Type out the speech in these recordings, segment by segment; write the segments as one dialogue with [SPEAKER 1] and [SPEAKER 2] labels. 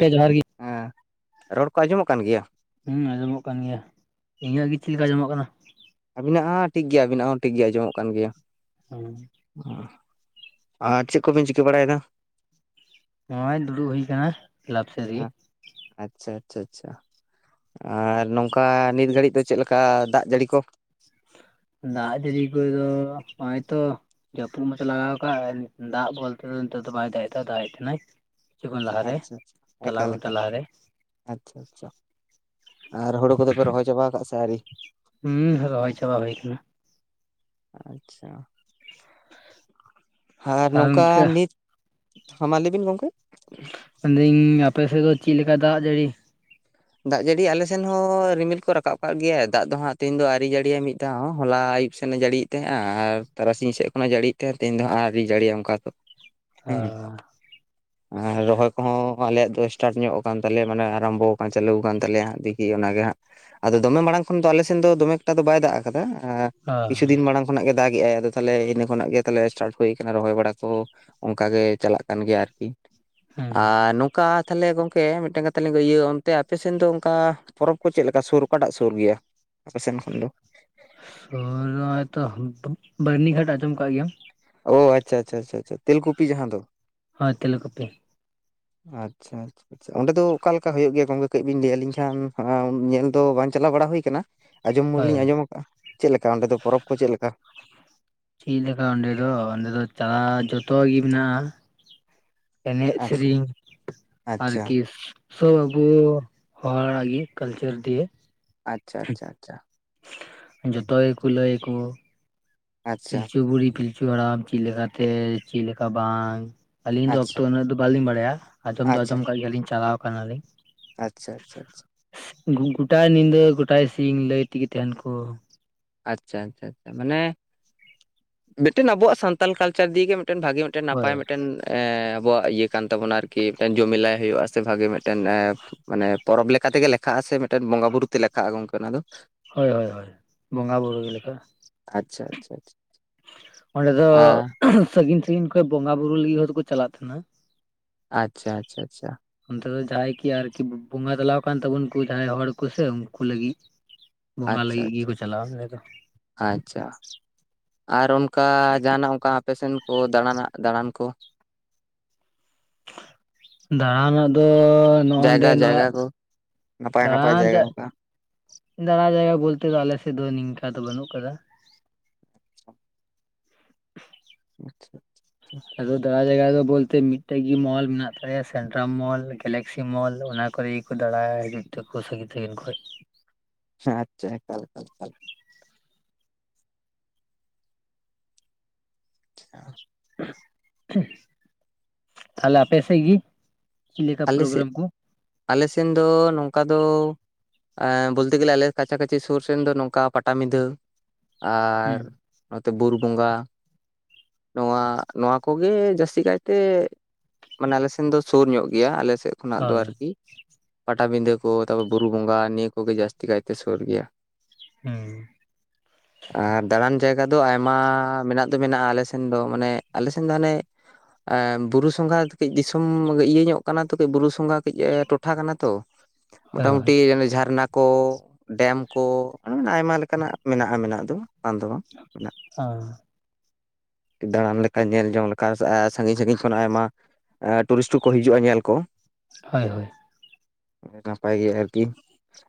[SPEAKER 1] ᱠᱮ ᱡᱚᱦᱟᱨ ᱜᱮ
[SPEAKER 2] ᱦᱮᱸ ᱨᱚᱲ ᱠᱚ ᱟᱸᱡᱚᱢᱚᱜ ᱠᱟᱱ ᱜᱮᱭᱟ?
[SPEAKER 1] ᱦᱩᱸ ᱟᱸᱡᱚᱢᱚᱜ ᱠᱟᱱ ᱜᱮᱭᱟ ᱤᱧᱟᱹᱜ ᱜᱮ ᱪᱮᱫ ᱞᱮᱠᱟ ᱟᱸᱡᱚᱢᱚᱜ ᱠᱟᱱᱟ?
[SPEAKER 2] ᱟ. ᱵᱤᱱᱟᱜ ᱦᱚᱸ ᱴᱷᱤᱠ ᱜᱮᱭᱟ ᱟ. ᱵᱤᱱᱟᱜ ᱦᱚᱸ ᱴᱷᱤᱠ ᱜᱮ ᱟᱸᱚᱢᱚᱜ ᱠᱟᱱ ᱜᱮᱭᱟ᱾
[SPEAKER 1] ᱦᱚᱸᱻ
[SPEAKER 2] ᱦᱚᱸ ᱟᱨ ᱪᱮᱜᱽ ᱠᱚᱵᱤᱱ ᱪᱤᱠᱟᱹ ᱵᱟᱲᱟᱭᱮᱫᱟ?
[SPEAKER 1] ᱱᱚᱜᱼᱚᱭ ᱫᱩᱲᱩᱵ ᱦᱩᱭ ᱠᱟᱱᱟ ᱠᱮᱞᱟᱯ ᱥᱮᱫ
[SPEAKER 2] ᱦᱮᱸ
[SPEAKER 1] ᱨᱮᱜᱮ᱾
[SPEAKER 2] ᱟᱪᱪᱷᱟ ᱪᱷᱟ ᱪᱷᱟ ᱟᱨ ᱱᱚᱝᱠᱟ ᱱᱤᱛ ᱜᱷᱟᱹᱲᱤᱜ ᱫᱚ ᱪᱮᱜ ᱞᱮᱠᱟ ᱫᱟᱜ ᱡᱟᱹᱲᱤ ᱠᱚ?
[SPEAKER 1] ᱫᱟᱜ ᱡᱟᱹᱨᱤ ᱠᱚᱫᱚ ᱦᱚᱸᱭ ᱛᱚ ᱡᱟᱹᱯᱩᱜ ᱢᱟᱛᱚ ᱞᱟᱜᱟᱣ ᱠᱟᱜ ᱫᱟᱜ ᱵᱚᱞᱛᱮ ᱫᱚ ᱱᱤᱛᱚᱜ ᱫᱚ ᱵᱟᱭ ᱫᱟᱜ ᱮ ᱫᱟᱜᱮᱜ ᱛᱟᱦᱮᱸᱱᱟᱭ᱾ ᱠᱤᱪᱷᱩ ᱠᱷᱚᱱ ᱞᱟᱦᱟᱨᱮ ᱛᱟᱞᱟ ᱜᱷᱚᱱᱴᱟ ᱞᱟᱦᱟᱨᱮ᱾
[SPEAKER 2] ᱟᱪᱷᱟ ᱪᱷᱟ ᱟᱨ ᱦᱳᱲᱳ ᱠᱚᱫᱚ ᱯᱮ ᱨᱚᱦᱚᱭ ᱪᱟᱵᱟ ᱠᱟᱜ ᱟᱥᱮ ᱟᱹᱣᱨᱤ?
[SPEAKER 1] ᱦᱩᱸ ᱨᱚᱦᱚᱭ ᱪᱟᱵᱟ ᱦᱩᱭ ᱠᱟᱱᱟ᱾
[SPEAKER 2] ᱟᱪᱪᱷᱟ ᱟᱨ
[SPEAKER 1] ᱛᱟᱦᱚᱞᱮ
[SPEAKER 2] ᱱᱚᱝᱠᱟ
[SPEAKER 1] ᱤᱱᱠᱟᱹ
[SPEAKER 2] ᱱᱤᱛ ᱦᱚᱸ ᱢᱟ ᱞᱟᱹᱭ ᱵᱤᱱ ᱜᱚᱢᱠᱮ᱾
[SPEAKER 1] ᱢᱮᱱᱫᱟᱹᱧ ᱟᱯᱮᱥᱮᱫ ᱫᱚ ᱪᱮᱜ ᱞᱮᱠᱟ ᱫᱟᱜ ᱡᱟᱹᱲᱤ?
[SPEAKER 2] ᱫᱟᱜ ᱡᱟᱹᱲᱤ ᱟᱞᱮ ᱥᱮᱱ ᱦᱚᱸ ᱨᱤᱢᱤᱞ ᱠᱚ ᱨᱟᱠᱟᱵ ᱠᱟᱜ ᱜᱮᱭᱟ, ᱫᱟᱜ ᱫᱚ ᱦᱟᱸᱜ ᱛᱮᱦᱮᱸᱧ ᱫᱚ ᱟᱹᱣᱨᱤ ᱡᱟᱹᱲᱤᱭᱟ ᱢᱤᱫ ᱛᱮ ᱦᱚᱸ ᱦᱚᱞᱟ ᱟᱹᱭᱩᱵ ᱥᱮᱱᱮ ᱡᱟᱹᱲᱤᱭᱮᱜ ᱛᱟᱦᱚᱸᱜᱼᱟ, ᱟᱨ ᱛᱟᱨᱟᱥᱤᱧ ᱥᱮᱫ ᱠᱷᱚᱱᱟᱜ ᱮ ᱡᱟᱹᱲᱤᱭᱮᱜ ᱛᱟᱦᱮᱸᱜ ᱛᱮᱦᱮᱸᱧ ᱫᱚ ᱦᱟᱸᱜ ᱟᱹᱣᱨᱤ ᱡᱟᱹᱲᱤᱭᱼᱟ ᱚᱝᱠᱟ ᱫᱚ᱾ [inaudible]
[SPEAKER 1] ᱚᱻ
[SPEAKER 2] ᱟᱨ ᱨᱚᱦᱚᱭ ᱠᱚᱦᱚᱸ ᱦᱚᱸ ᱟᱞᱮᱭᱟᱜ ᱫᱚ ᱥᱴᱟᱨᱴ ᱧᱚᱜ ᱠᱟᱱ ᱛᱟᱞᱮᱭᱟ ᱢᱟᱱᱮ ᱟᱨᱟᱢᱵᱚ ᱪᱟᱹᱞᱩ ᱠᱟᱱ ᱛᱟᱞᱮᱭᱟ ᱫᱤᱠᱤ ᱚᱱᱟᱜᱮ ᱦᱟᱸᱜ ᱟᱫᱚ ᱫᱚᱢᱮ ᱢᱟᱲᱟᱝ ᱠᱷᱚᱱ ᱫᱚ ᱟᱞᱮ ᱥᱮᱱ ᱫᱚ ᱫᱚᱢᱮ ᱮᱠᱴᱟ ᱫᱚ ᱵᱟᱭ ᱫᱟᱜ ᱠᱟᱫᱟ,
[SPEAKER 1] ᱚ
[SPEAKER 2] ᱠᱤᱪᱷᱩ ᱫᱤᱱ ᱢᱟᱲᱟᱝ ᱠᱷᱚᱱᱟᱜ ᱜᱮ ᱫᱟᱜᱼᱮ ᱟᱭ ᱟᱫᱚ ᱛᱟᱦᱞᱮ ᱤᱱᱟᱹ ᱠᱷᱚᱱᱟᱜ ᱜᱮ ᱛᱟᱦᱚᱞᱮ ᱥᱴᱟᱨᱴ ᱦᱩᱭ ᱠᱟᱱᱟ ᱨᱚᱦᱚᱭ ᱵᱟᱲᱟ ᱠᱚ ᱚᱝᱠᱟ ᱜᱮ ᱪᱟᱞᱟᱜ ᱠᱟᱱ ᱜᱮᱭᱟ ᱟᱨᱠᱤ
[SPEAKER 1] ᱦᱩᱸ
[SPEAKER 2] ᱟᱨ ᱱᱚᱝᱠᱟ ᱛᱟᱦᱚᱞᱮ ᱜᱚᱢᱠᱮ ᱢᱤᱫᱴᱟᱝ ᱠᱟᱛᱷᱟ ᱞᱤᱧ ᱤᱭᱟᱹ ᱚᱱᱛᱮ ᱟᱯᱮ ᱥᱮᱱ ᱫᱚ ᱚᱱᱠᱟ ᱯᱚᱨᱚᱵᱽ ᱠᱚ ᱪᱮᱫ ᱞᱮᱠᱟ ᱥᱩᱨ ᱚᱠᱟᱴᱟᱜ ᱥᱩᱨ ᱜᱮᱭᱟ? ᱟᱯᱮ ᱥᱮᱱ ᱠᱷᱚᱱ ᱫᱚ?
[SPEAKER 1] ᱥᱩᱨ ᱦᱚᱸᱜᱼᱚᱭ ᱛᱚ ᱵᱟᱹᱨᱱᱤ ᱜᱷᱟᱴ ᱟᱸᱡᱚᱢ ᱠᱟᱜ ᱜᱮᱭᱟᱢ?
[SPEAKER 2] ᱚ ᱟᱪᱷᱟ ᱪᱷᱟ ᱪᱷᱟ ᱪᱷᱟ ᱛᱮᱞᱠᱩᱯᱤ ᱡᱟᱦᱟᱸ ᱫᱚ᱾
[SPEAKER 1] ᱦᱳᱭ ᱛᱮᱞ ᱠᱚᱯᱤ᱾
[SPEAKER 2] ᱟᱪᱷᱟ ᱟᱪᱷᱟ᱾ ᱚᱸᱰᱮ ᱫᱚ ᱚᱠᱟ ᱞᱮᱠᱟ ᱦᱩᱭᱩᱜ ᱜᱮᱭᱟ ᱜᱚᱝᱠᱮ ᱠᱟᱹᱡ ᱵᱤᱱ ᱞᱟᱹᱭ ᱟᱹᱞᱤᱧ ᱠᱷᱟᱱ ᱧᱮᱞ ᱫᱚ ᱵᱟᱝ ᱪᱟᱞᱟᱣ ᱵᱟᱲᱟ ᱦᱩᱭ ᱠᱟᱱᱟ᱾ ᱟᱸᱡᱚᱢ ᱢᱟ
[SPEAKER 1] ᱦᱳᱭ
[SPEAKER 2] ᱞᱤᱧ ᱟᱸᱡᱚᱢ ᱠᱟᱜᱼᱟ ᱪᱮᱫ ᱞᱮᱠᱟ ᱚᱸᱰᱮ ᱫᱚ ᱯᱚᱨᱚᱵᱽ ᱠᱚ ᱪᱮᱫ ᱞᱮᱠᱟ?
[SPEAKER 1] ᱪᱮᱜ ᱞᱮᱠᱟ ᱚᱸᱰᱮ ᱫᱚ ᱚᱸᱰᱮ ᱫᱚ ᱪᱟ ᱡᱷᱚᱛᱚ ᱜᱮ ᱢᱮᱱᱟᱜᱼᱟ᱾ ᱮᱱᱮᱡ
[SPEAKER 2] ᱟᱪᱪᱷᱟ
[SPEAKER 1] ᱥᱮᱨᱮᱧ ᱟᱨ
[SPEAKER 2] ᱟᱪᱪᱷᱟ
[SPEAKER 1] ᱠᱤᱥ᱾ ᱥᱚᱵ ᱟᱵᱚ ᱦᱚᱲᱟᱜ ᱜᱮ ᱠᱟᱞᱪᱟᱨ ᱫᱤᱭᱮ᱾
[SPEAKER 2] ᱟᱪᱷᱟ ᱟᱪᱷᱟ ᱟᱪᱷᱟ᱾
[SPEAKER 1] ᱡᱷᱚᱛᱚ ᱜᱮᱠᱚ ᱞᱟᱹᱭ ᱟᱠᱚ
[SPEAKER 2] ᱟᱪᱪᱷᱟ
[SPEAKER 1] ᱯᱤᱞᱪᱩ ᱵᱩᱲᱦᱤ ᱯᱤᱞᱪᱩ ᱦᱟᱲᱟᱢ ᱪᱮᱫ ᱞᱮᱠᱟᱛᱮ ᱪᱮᱫ ᱞᱮᱠᱟ ᱵᱟᱝ᱾ ᱟᱹᱞᱤᱧ ᱫᱚ
[SPEAKER 2] ᱟᱪᱪᱷᱟ
[SPEAKER 1] ᱚᱠᱛᱚ ᱩᱱᱟᱹᱜ ᱫᱚ ᱵᱟᱞᱤᱧ ᱵᱟᱲᱟᱭᱟ ᱟᱸᱡᱚᱢ ᱫᱚ ᱟᱸᱡᱚᱢ ᱟᱠᱟᱜ ᱜᱮᱭᱟᱞᱤᱧ ᱪᱟᱞᱟᱣ ᱠᱟᱱᱟ ᱞᱤᱧ᱾
[SPEAKER 2] ᱟᱪᱷᱟ ᱟᱪᱷᱟ ᱟᱪᱷᱟ᱾
[SPEAKER 1] ᱜᱚᱴᱟ ᱧᱤᱫᱟᱹ ᱜᱚᱴᱟ ᱥᱤᱧ ᱞᱟᱹᱭ ᱛᱮᱜᱮ ᱛᱟᱦᱮᱸᱱ ᱠᱚ᱾
[SPEAKER 2] ᱟᱪᱷᱟ ᱟᱪᱷᱟ ᱟᱪᱷᱟ ᱢᱟᱱᱮ ᱢᱤᱫᱴᱮᱱ ᱟᱵᱚᱣᱟᱜ ᱥᱟᱱᱛᱟᱞ ᱠᱟᱞᱪᱟᱨ ᱫᱤᱭᱮ ᱜᱮᱞᱮ ᱢᱤᱫᱴᱮᱱ ᱵᱷᱟᱜᱮ ᱢᱤᱫᱴᱮᱱ
[SPEAKER 1] ᱦᱳᱭ
[SPEAKER 2] ᱱᱟᱯᱟᱭ ᱢᱤᱫᱴᱮᱱ ᱮᱸ ᱟᱵᱚᱣᱟᱜ ᱤᱭᱟᱹ ᱠᱟᱱ ᱛᱟᱵᱚᱱᱟ ᱟᱨᱠᱤ ᱢᱤᱫᱴᱮᱱ ᱡᱩᱢᱤᱞᱟᱭ ᱦᱩᱭᱩᱜᱼᱟ ᱥᱮ ᱵᱷᱟᱜᱮ ᱢᱤᱫᱴᱮᱱ ᱢᱟᱱᱮ ᱯᱚᱨᱚᱵᱽ ᱞᱮᱠᱟ ᱛᱮᱜᱮ ᱞᱮᱠᱷᱟᱜᱼᱟ ᱥᱮ ᱢᱤᱫᱴᱮᱱ ᱵᱚᱸᱜᱟ ᱵᱩᱨᱩ ᱛᱮ ᱞᱮᱠᱷᱟᱜᱼᱟ ᱜᱚᱝᱠᱮ ᱚᱱᱟ ᱫᱚ?
[SPEAKER 1] ᱦᱳᱭ ᱦᱳᱭ ᱦᱳᱭ ᱵᱚᱸᱜᱟ ᱵᱩᱨᱩ ᱨᱮ ᱞᱮᱠᱟᱜᱼᱟ᱾
[SPEAKER 2] ᱟᱪᱷᱟ ᱟᱪᱷᱟ ᱟᱪᱷᱟ᱾
[SPEAKER 1] ᱚᱸᱰᱮ ᱫᱚ ᱥᱟᱹᱜᱤᱧ ᱠᱷᱚᱱ ᱵᱚᱸᱜᱟ ᱵᱩᱨᱩ ᱞᱟᱹᱜᱤᱫ ᱦᱚᱲ ᱫᱚᱠᱚ ᱪᱟᱞᱟᱜ ᱛᱟᱦᱮᱸᱱᱟ ᱾
[SPEAKER 2] ᱟᱪᱷᱟ ᱟᱪᱷᱟ ᱟᱪᱷᱟ ᱾
[SPEAKER 1] ᱚᱱᱛᱮ ᱫᱚ ᱡᱟᱦᱟᱸᱭ ᱠᱤ ᱟᱨᱠᱤ ᱵᱚᱸᱜᱟ ᱛᱟᱞᱟᱣ ᱟᱠᱟᱱ ᱛᱟᱵᱚᱱ ᱠᱚ ᱡᱟᱦᱟᱸᱭ ᱦᱚᱲ ᱠᱚᱥᱮ ᱩᱱᱠᱩ ᱞᱟᱹᱜᱤᱫ᱾ ᱵᱚᱸᱜᱟ ᱞᱟᱹᱜᱤᱫ ᱜᱮᱠᱚ ᱪᱟᱞᱟᱜᱼᱟ ᱚᱸᱰᱮ ᱫᱚ᱾
[SPEAKER 2] ᱟᱪᱷᱟ ᱟᱨ ᱚᱱᱠᱟ ᱡᱟᱦᱟᱱᱟᱜ ᱚᱱᱠᱟ ᱯᱮᱥᱮᱱ ᱠᱚ ᱫᱟᱬᱱᱟᱜ ᱫᱟᱬᱟᱱ ᱠᱚ?
[SPEAKER 1] ᱫᱟᱬᱟᱱ ᱫᱚ
[SPEAKER 2] ᱡᱟᱭᱜᱟ
[SPEAKER 1] ᱱᱚᱜᱼᱰᱮ ᱱᱚᱣᱟ
[SPEAKER 2] ᱡᱟᱭᱜᱟ ᱠᱚ ᱱᱟᱯᱟᱭ ᱱᱟᱯᱟᱭ
[SPEAKER 1] ᱫᱟᱬᱟᱱ
[SPEAKER 2] ᱡᱟᱭᱜᱟ
[SPEAKER 1] ᱨᱮᱭᱟᱜ
[SPEAKER 2] ᱚᱱᱠᱟ
[SPEAKER 1] ᱫᱟᱬᱟᱭ ᱡᱟᱭᱜᱟ ᱵᱚᱞᱛᱮ ᱫᱚ ᱟᱞᱮᱥᱮᱫ ᱫᱚ ᱱᱤᱝᱠᱟ ᱫᱚ ᱵᱟᱹᱱᱩᱜ ᱟᱠᱟᱫᱟ᱾ [inaudible]
[SPEAKER 2] ᱟᱪᱷᱟ ᱟᱪᱷᱟ ᱟᱷᱟ
[SPEAKER 1] ᱟᱫᱚ ᱫᱟᱲᱟᱭ ᱡᱟᱭᱜᱟ ᱫᱚ ᱵᱚᱞᱛᱮ ᱢᱤᱫᱴᱮᱡ ᱜᱮ ᱢᱚᱞ ᱢᱮᱱᱟᱜ ᱛᱟᱞᱮᱭᱟ, ᱥᱮᱱᱴᱨᱟᱢ ᱢᱚᱞ, ᱜᱮᱞᱟᱠᱥᱤ ᱢᱚᱞ, ᱚᱱᱟ ᱠᱚᱨᱮ ᱫᱟᱬᱟᱭᱟ ᱦᱤᱡᱩᱜ ᱛᱮᱠᱚ ᱥᱟᱹᱜᱤ ᱛᱠᱤᱱ ᱠᱷᱚᱱ᱾
[SPEAKER 2] ᱦᱮᱸ ᱟᱪᱷᱟ ᱮᱠᱟᱞ, ᱮᱠᱟᱞ, ᱮᱠᱟᱞ ᱟᱪᱷᱟ
[SPEAKER 1] ᱛᱟᱦᱚᱞᱮ ᱟᱯᱮᱮᱥ ᱜᱮ ᱪᱤ ᱞᱮᱠᱟ
[SPEAKER 2] ᱟᱞᱮ ᱥᱮᱫ
[SPEAKER 1] ᱯᱨᱳᱜᱨᱟᱢ ᱠᱚ?
[SPEAKER 2] ᱟᱞᱮ ᱥᱮᱱ ᱫᱚ ᱱᱚᱝᱠᱟ ᱫᱚ ᱟᱸᱻ ᱵᱚᱞᱛᱮ ᱜᱮᱞᱮ ᱟᱞᱮ ᱠᱟᱪᱷᱟ ᱠᱟᱪᱷᱤ ᱥᱩᱨ ᱥᱮᱱ ᱫᱚ ᱱᱚᱝᱠᱟ ᱯᱟᱴᱟᱵᱤᱫᱷᱟᱹ ᱟᱨ
[SPEAKER 1] ᱦᱩᱸ
[SPEAKER 2] ᱱᱚᱛᱮ ᱵᱩᱨᱩ ᱵᱚᱸᱜᱟ᱾ ᱱᱚᱣᱟ ᱱᱚᱣᱟ ᱠᱚᱜᱮ ᱡᱟᱹᱥᱛᱤ ᱠᱟᱭᱛᱮ ᱢᱟᱱᱮ ᱟᱞ ᱥᱮᱱ ᱫᱚ ᱥᱩᱨ ᱧᱚᱜ ᱜᱮᱭᱟ ᱟᱞᱮ ᱥᱮᱫ ᱠᱷᱚᱱᱟᱜ ᱫᱚ
[SPEAKER 1] ᱦᱳᱭ
[SPEAKER 2] ᱟᱨᱠᱤ᱾ ᱯᱟᱴᱟᱵᱤᱸᱫᱟᱹ ᱠᱚ ᱛᱟᱯᱚᱨ ᱵᱩᱨᱩ ᱵᱚᱸᱜᱟ ᱱᱤᱭᱟᱹ ᱠᱚᱜᱮ ᱡᱟᱹᱥᱛᱤ ᱠᱟᱭᱛᱮ ᱥᱩᱨ ᱜᱮᱭᱟ᱾
[SPEAKER 1] ᱦᱩᱸ
[SPEAKER 2] [inaudible] ᱟᱨ ᱫᱟᱬᱟᱱ ᱡᱟᱭᱜᱟ ᱫᱚ ᱟᱭᱢᱟ ᱢᱮᱱᱟᱜ ᱫᱚ ᱢᱮᱱᱟᱜᱼᱟ ᱟᱞᱮ ᱥᱮᱱ ᱫᱚ ᱢᱟᱱᱮ ᱟᱞᱮ ᱥᱮᱱ ᱫᱚ ᱦᱟᱱᱮ ᱮᱸ ᱵᱩᱨᱩ ᱥᱚᱸᱜᱷᱟ ᱫᱚ ᱠᱟᱹᱡ ᱫᱤᱥᱚᱢ ᱤᱭᱟᱹ ᱧᱚᱜ ᱠᱟᱱᱟ ᱛᱚ ᱠᱟᱹᱡ ᱵᱩᱨᱩ ᱥᱚᱸᱜᱜᱟ ᱠᱟᱹᱡ ᱴᱚᱴᱷᱟ ᱠᱟᱱᱟ ᱛᱚ ᱢᱚᱴᱟ
[SPEAKER 1] ᱦᱳᱭ ᱦᱳᱭ
[SPEAKER 2] ᱢᱩᱩᱴᱤ ᱡᱷᱟᱨᱱᱟ ᱠᱚ ᱰᱮᱢ ᱠᱚᱟᱱ ᱟᱭᱢᱟ ᱞᱮᱠᱟᱱᱟᱜ ᱢᱮᱱᱟᱜᱼᱟ ᱢᱮᱱᱟᱜ ᱫᱚ᱾ ᱵᱟᱸᱫ ᱢᱮᱱᱟᱜ
[SPEAKER 1] ᱦᱚᱸ
[SPEAKER 2] ᱫᱟᱬᱟᱱ ᱞᱮᱠᱟ ᱧᱮᱞ ᱡᱚᱝ ᱞᱮᱠᱟ ᱥᱟᱺᱜᱤᱧ ᱥᱟᱺᱜᱤᱧ ᱠᱷᱚᱱᱚᱱᱟᱜ ᱟᱭᱢᱟ ᱴᱩᱨᱤᱥᱴ ᱠᱚ ᱠᱚ ᱦᱤᱡᱩᱜᱼᱟ ᱧᱮᱞ ᱠᱚ
[SPEAKER 1] ᱦᱳᱭ ᱦᱳᱭ
[SPEAKER 2] ᱱᱟᱯᱟᱭ ᱜᱮ ᱟᱨᱠᱤ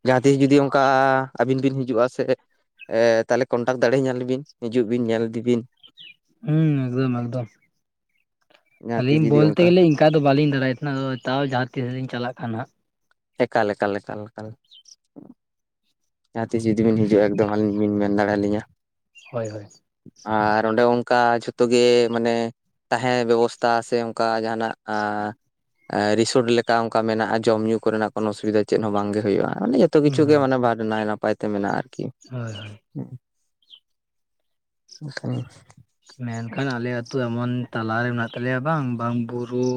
[SPEAKER 2] ᱡᱟᱦᱟᱸ ᱛᱤᱥ ᱡᱩᱫᱤ ᱚᱱᱠᱟ ᱟᱹᱵᱤᱱ ᱵᱤᱱ ᱦᱤᱡᱩᱜᱼᱟ ᱥᱮ ᱛᱟᱦᱚᱞᱮ ᱠᱚᱹᱱᱴᱟᱠᱴ ᱫᱟᱲᱮ ᱧᱟ ᱵᱤᱱ ᱦᱤᱡᱩᱜ ᱵᱤᱱ ᱧᱮᱞ ᱤᱫᱤ ᱵᱤᱱ ᱾
[SPEAKER 1] ᱦᱩᱸ ᱮᱠᱫᱚᱢ ᱮᱠᱫᱚᱢ
[SPEAKER 2] ᱡᱟᱦᱟᱸ ᱛᱤᱥ
[SPEAKER 1] ᱟᱹᱞᱤᱧ
[SPEAKER 2] ᱡᱩᱫᱤ
[SPEAKER 1] ᱵᱚᱞᱛᱮ ᱜᱮᱞᱤᱧ ᱚᱱᱠᱟ ᱫᱚ ᱵᱟᱹᱞᱤᱧ ᱫᱟᱲᱮᱭᱟᱜ ᱮᱫ ᱛᱟᱦᱮᱱᱟ ᱛᱟᱣ ᱡᱟᱦᱟᱸ ᱛᱤᱥ ᱞᱤᱧ ᱪᱟᱞᱟᱜ ᱠᱷᱟᱱ ᱦᱟᱸᱜ ᱾
[SPEAKER 2] ᱮᱠᱟᱞ ᱮᱠᱟᱞ ᱮᱠᱟᱞ ᱮᱠᱟᱞ ᱡᱟᱦᱟᱸ ᱛᱤᱥ ᱡᱩᱫᱤ ᱵᱤᱱ ᱦᱤᱡᱩᱜᱼᱟ ᱮᱠᱫᱚᱢ ᱟᱹᱞᱤᱧ ᱵᱤᱱ ᱢᱮᱱ ᱫᱟᱲᱮ ᱟᱹᱞᱤᱧᱟᱹ ᱾
[SPEAKER 1] ᱦᱚᱭ ᱦᱚᱭ
[SPEAKER 2] ᱟᱨ ᱚᱸᱰᱮ ᱚᱱᱠᱟ ᱡᱷᱚᱛᱚ ᱜᱮ ᱢᱟᱱᱮ ᱛᱟᱦᱮᱸ ᱵᱮᱵᱚᱥᱛᱷᱟ ᱥᱮ ᱚᱱᱠᱟ ᱡᱟᱦᱟᱱᱟᱜ ᱟᱻ ᱮᱻ ᱨᱤᱥᱚᱴ ᱞᱮᱠᱟ ᱚᱱᱠᱟ ᱢᱮᱱᱟᱜᱼᱟ ᱡᱚᱢ ᱧᱩᱸ ᱠᱚᱨᱮᱱᱟᱜ ᱠᱚᱱᱚ ᱚᱥᱩᱵᱤᱫᱟ ᱪᱮᱫ ᱦᱚᱸ ᱵᱟᱝᱜᱮ ᱦᱩᱭᱩᱜᱼᱟ ᱾ ᱢᱟᱱᱮ ᱡᱚᱛᱚ ᱠᱤᱪᱷᱩ ᱜᱮ ᱢᱟᱱᱮ ᱵᱟᱨ ᱱᱟᱭ ᱱᱟᱯᱟᱭ ᱛᱮ ᱢᱮᱱᱟᱜᱼᱟ ᱟᱨᱠᱤ ᱾
[SPEAKER 1] ᱦᱚᱭ ᱦᱚᱭ
[SPEAKER 2] ᱦᱩᱸ [unintelligible]
[SPEAKER 1] ᱢᱮᱱᱠᱷᱟᱱ ᱟᱞᱮ ᱟᱹᱛᱩ ᱮᱢᱚᱱ ᱛᱟᱞᱟᱨᱮ ᱢᱮᱱᱟᱜ ᱛᱟᱞᱮᱭᱟ ᱵᱟᱝ ᱵᱟᱝ ᱵᱩᱨᱩ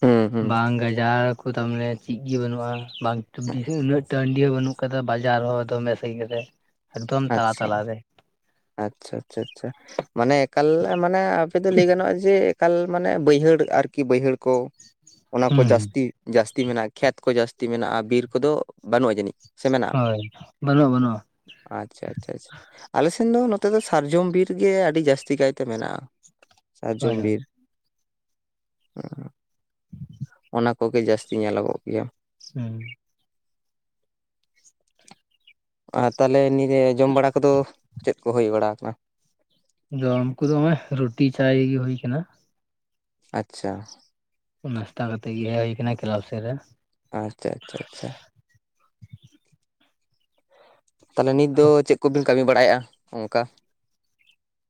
[SPEAKER 2] ᱦᱩᱸ ᱦᱩᱸ
[SPEAKER 1] ᱵᱟᱝ ᱜᱟᱡᱟᱲ ᱚ ᱛᱟᱢᱟᱱᱮ ᱪᱤᱜ ᱜᱮ ᱵᱟᱹᱱᱩᱜᱼᱟ ᱵᱟᱝ ᱩᱱᱟᱹᱜ ᱴᱟᱺᱰᱤ ᱦᱚᱸ ᱵᱟᱹᱱᱩᱜ ᱟᱠᱟᱫᱟ ᱵᱟᱡᱟᱨ ᱦᱚᱸ ᱫᱚᱢᱮ ᱥᱟᱸᱜᱤ ᱨᱮ ᱾ ᱮᱠᱫᱚᱢ ᱛᱟᱞᱟ
[SPEAKER 2] ᱟᱪᱪᱷᱟ
[SPEAKER 1] ᱛᱟᱞᱟ ᱨᱮ᱾
[SPEAKER 2] ᱟᱪᱪᱷᱟ ᱟᱪᱪᱷᱟ ᱟᱪᱪᱷᱟ ᱢᱟᱱᱮ ᱮᱠᱟᱞ ᱢᱟᱱᱮ ᱟᱯᱮᱫ ᱫᱚ ᱞᱟᱹᱭ ᱜᱟᱱᱚᱜᱼᱟ ᱡᱮ ᱮᱠᱟᱞ ᱢᱟᱱᱮ ᱵᱟᱹᱭᱦᱟᱹᱲ ᱟᱨᱠᱤ ᱵᱟᱹᱭᱦᱟᱹᱲ ᱠᱚ ᱚᱱᱟ ᱠᱚ
[SPEAKER 1] ᱦᱩᱸ
[SPEAKER 2] ᱡᱟᱹᱥᱛᱤ ᱡᱟᱹᱥᱛᱤ ᱢᱮᱱᱟᱜᱼᱟ, ᱠᱷᱮᱛ ᱠᱚ ᱡᱟᱹᱥᱛᱤ ᱢᱮᱱᱟᱜᱼᱟ, ᱵᱤᱨ ᱠᱚᱫᱚ ᱵᱟᱹᱱᱩᱜᱼᱟ ᱡᱟᱹᱱᱤᱡ? ᱥᱮ ᱢᱮᱱᱟᱜᱼᱟ
[SPEAKER 1] ᱦᱚᱭ ᱵᱟᱹᱱᱩᱜᱼᱟ ᱵᱟᱹᱱᱩᱜᱼᱟ ᱾
[SPEAKER 2] ᱟᱪᱪᱷᱟ ᱟᱪᱪᱷᱟ ᱟᱪᱪᱷᱟ ᱟᱞᱮ ᱥᱮᱱ ᱫᱚ ᱱᱚᱛᱮ ᱫᱚ ᱥᱟᱨᱡᱚᱢ ᱵᱤᱨ ᱜᱮ ᱟᱹᱰᱤ ᱡᱟᱹᱥᱛᱤ ᱠᱟᱭᱛᱮ ᱢᱮᱱᱟᱜᱼᱟ ᱾ ᱥᱟᱨᱡᱚᱢ
[SPEAKER 1] ᱦᱳᱭ ᱦᱳᱭ
[SPEAKER 2] ᱵᱤᱨ [unintelligible]
[SPEAKER 1] [inaudible]
[SPEAKER 2] ᱟᱠᱚᱜᱮ ᱡᱟᱹᱥᱛᱤ ᱧᱮᱞᱚᱜᱚᱜ ᱜᱮᱭᱟ ᱾
[SPEAKER 1] ᱦᱩᱸ᱾
[SPEAKER 2] ᱟᱨ ᱛᱟᱦᱚᱞᱮ ᱱᱤᱭᱟᱹᱮ ᱡᱚᱢ ᱵᱟᱲᱟ ᱠᱚᱫᱚ ᱪᱮᱫ ᱠᱚ ᱦᱩᱭ ᱵᱟᱲᱟ ᱠᱟᱱᱟ?
[SPEAKER 1] ᱡᱚᱢ ᱠᱚᱫᱚ ᱚᱱᱮ ᱨᱩᱴᱤ ᱪᱟᱭᱜᱮ ᱦᱩᱭ ᱠᱟᱱᱟ᱾
[SPEAKER 2] ᱟᱪᱪᱷᱟ᱾
[SPEAKER 1] ᱱᱟᱥᱛᱟ ᱠᱟᱛᱮᱜ ᱜᱮ ᱦᱮᱡ ᱦᱩᱭ ᱠᱟᱱᱟ ᱠᱮᱞᱟᱵ ᱥᱮᱫ ᱨᱮ ᱾
[SPEAKER 2] ᱟᱪᱪᱷᱟ ᱟᱪᱪᱷᱟ ᱟᱪᱪᱷᱟ ᱛᱟᱞᱦᱮ ᱱᱤᱛ ᱫᱚ ᱪᱮᱫ ᱠᱚᱵᱤᱱ ᱠᱟᱹᱢᱤ ᱵᱟᱲᱟᱭᱮᱫᱼᱟ ᱚᱱᱠᱟ᱾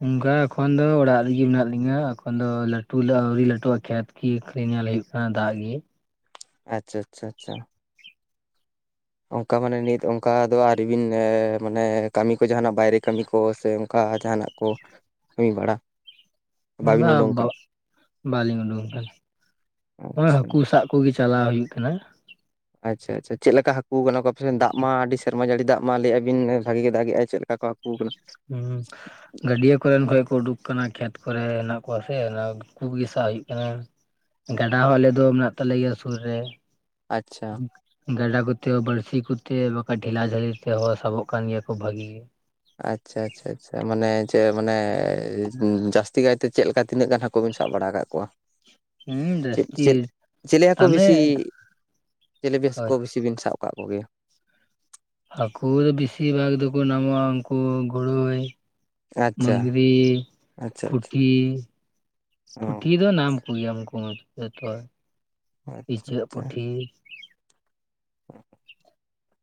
[SPEAKER 1] ᱚᱱᱠᱟ ᱮᱠᱷᱚᱱ ᱫᱚ ᱚᱲᱟᱜ ᱨᱤᱜᱤ ᱢᱮᱱᱟᱜ ᱞᱤᱧᱟᱹ ᱮᱠᱷᱚᱱ ᱫᱚ ᱞᱟᱹᱴᱩ ᱞᱟᱹ ᱟᱹᱣᱨᱤ ᱞᱟᱹᱴᱩᱜ ᱼ ᱟ ᱠᱷᱮᱛ᱾ ᱠᱤ ᱟᱹᱠᱷᱨᱤᱧᱟ ᱧᱮᱞ ᱦᱩᱭᱩᱜ ᱠᱟᱱᱟ ᱫᱟᱜ ᱜᱮ ᱾
[SPEAKER 2] ᱟᱪᱪᱷᱟ ᱟᱪᱪᱷᱟ ᱟᱪᱪᱷᱟ᱾ ᱚᱱᱠᱟ ᱢᱟᱱᱮ ᱱᱤᱛ ᱚᱱᱠᱟ ᱫᱚ ᱟᱣᱨᱤ ᱵᱤᱱ ᱢᱟᱱᱮ ᱠᱟᱹᱢᱤ ᱠᱚ ᱡᱟᱦᱟᱱᱟᱜ ᱵᱟᱭᱨᱮ ᱠᱟᱹᱢᱤ ᱠᱚ ᱥᱮ ᱚᱱᱠᱟ ᱡᱟᱦᱟᱱᱟᱜ ᱾ ᱠᱚ ᱠᱟᱹᱢᱤ ᱵᱟᱲᱟ᱾ ᱵᱟᱵᱤᱱ
[SPEAKER 1] ᱵᱟ
[SPEAKER 2] ᱩᱰᱩᱝ
[SPEAKER 1] ᱵᱟ
[SPEAKER 2] ᱟᱠᱟᱱᱟ
[SPEAKER 1] ᱵᱟᱹᱞᱤᱧ ᱩᱰᱩᱠ ᱠᱟᱱᱟ ᱚᱱᱮ
[SPEAKER 2] ᱟᱪᱪᱷᱟ
[SPEAKER 1] ᱦᱟᱹᱠᱩ ᱥᱟᱵ ᱾ ᱠᱩ ᱜᱮ ᱪᱟᱞᱟᱣ ᱦᱩᱭᱩᱜ ᱠᱟᱱᱟ᱾
[SPEAKER 2] ᱟᱪᱪᱷᱟ ᱟᱪᱪᱷᱟ ᱪᱮᱫ ᱞᱮᱠᱟ ᱦᱟᱹᱠᱩ ᱟᱠᱟᱱᱟ ᱠᱚ ᱟᱯᱮ ᱥᱮᱱ ᱫᱟᱜ ᱢᱟ ᱟᱹᱰᱤ ᱥᱮᱨᱢᱟ ᱡᱟᱹᱲᱤ ᱫᱟᱜ ᱢᱟ ᱞᱟᱹᱭᱮᱜᱼᱟ ᱵᱤᱱ ᱵᱷᱟᱹᱜᱤ ᱜᱮ ᱫᱟᱜᱮᱜ ᱟᱭ ᱪᱮᱫ ᱞᱮᱠᱟ ᱠᱚ ᱦᱟᱹᱠᱩ ᱠᱟᱱᱟ?
[SPEAKER 1] ᱦᱩᱸ ᱜᱟᱹᱰᱤᱭᱟᱹ ᱠᱚᱨᱮᱱ ᱠᱷᱚᱭ ᱠᱚ ᱩᱰᱩᱠ ᱟᱠᱟᱱᱟ ᱠᱷᱮᱛ ᱠᱚᱨᱮ ᱦᱮᱱᱟᱜ ᱠᱚᱣᱟ ᱥᱮ ᱩᱱᱠᱩᱜᱮ ᱥᱟᱵ ᱦᱩᱭᱩᱜ ᱠᱟᱱᱟ ᱜᱟᱰᱟ ᱦᱚᱸ ᱟᱞᱮ ᱫᱚ ᱢᱮᱱᱟᱜ ᱛᱟᱞᱮ ᱜᱮᱭᱟ ᱥᱩᱨ ᱨᱮ᱾
[SPEAKER 2] ᱟᱪᱪᱷᱟ
[SPEAKER 1] ᱜᱟᱰᱟ ᱠᱚᱛᱮ ᱦᱚᱸ ᱵᱟᱹᱲᱥᱤ ᱠᱚᱛᱮ ᱵᱟᱠᱷᱟᱡ ᱰᱷᱮᱞᱟ ᱡᱷᱟᱹᱞᱤ ᱛᱮᱦᱚᱸ ᱥᱟᱵᱚᱜ ᱠᱟᱱ ᱜᱮᱭᱟ ᱠᱩ ᱵᱷᱟᱹᱜᱤ ᱜᱮ ᱾
[SPEAKER 2] ᱟᱪᱪᱷᱟ ᱟᱪᱪᱷᱟ ᱟᱪᱪᱷᱟ, ᱢᱟᱱᱮ ᱪᱮᱫ ᱢᱟᱱᱮ ᱡᱟᱹᱥᱛᱤ ᱠᱟᱭᱛᱮ ᱪᱮᱫᱞᱮᱠᱟ ᱛᱤᱱᱟᱹᱜ ᱜᱟᱱ ᱦᱟᱠ ᱠᱚᱵᱮᱱ ᱥᱟᱵ ᱵᱟᱲᱟ ᱟᱠᱟᱫ ᱠᱚᱣᱟ
[SPEAKER 1] ᱦᱩᱸ
[SPEAKER 2] ᱪᱮᱫ
[SPEAKER 1] ᱡᱟᱹᱥᱛᱤ
[SPEAKER 2] ᱪᱮᱫ ᱪᱮᱞᱮ ᱦᱟᱹᱠᱩ
[SPEAKER 1] ᱛᱟᱦᱚᱞᱮ
[SPEAKER 2] ᱵᱤᱥᱤ ᱪᱤᱞᱮ ᱵᱤᱥ ᱠᱚ ᱵᱤᱥᱤ ᱵᱤᱱ ᱥᱟᱵ ᱠᱟᱜ ᱠᱚᱜᱮᱭᱟ?
[SPEAKER 1] ᱦᱟᱹᱠᱩ ᱫᱚ ᱵᱤᱥᱤ ᱵᱷᱟᱜᱽ ᱫᱚᱠᱚ ᱱᱟᱢᱚᱜᱼᱟ ᱩᱱᱠᱩ ᱜᱳᱲᱳᱭ ᱾
[SPEAKER 2] ᱟᱪᱪᱷᱟ
[SPEAKER 1] ᱢᱟᱹᱜᱽᱨᱤ
[SPEAKER 2] ᱟᱪᱪᱷᱟ ᱟᱪᱪᱷᱟ
[SPEAKER 1] ᱯᱩᱴᱷᱤ
[SPEAKER 2] ᱚ
[SPEAKER 1] ᱯᱩᱴᱷᱤ ᱫᱚ ᱱᱟᱢ ᱠᱩᱭᱟᱢ ᱠᱩ ᱡᱚᱛᱚ
[SPEAKER 2] ᱟᱪᱪᱷᱟ
[SPEAKER 1] ᱤᱪᱟᱹᱜ
[SPEAKER 2] ᱟᱪᱪᱷᱟ
[SPEAKER 1] ᱯᱩᱴᱷᱤ
[SPEAKER 2] [inaudible]